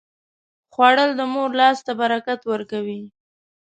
خوړل د مور لاس ته برکت ورکوي